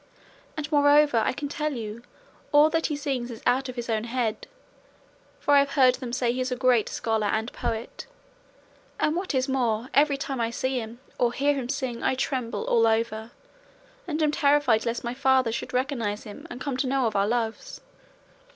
And moreover, I can tell you, all that he sings is out of his own head; for I have heard them say he is a great scholar and poet; and what is more, every time I see him or hear him sing I tremble all over, and am terrified lest my father should recognise him and come to know of our loves.